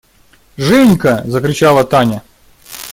– Женька! – закричала Таня.